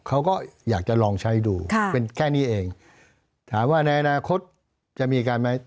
เขาก็อยากจะลองใช้ดูค่ะเป็นแค่นี้เองถามว่าในอนาคตจะมีการไหม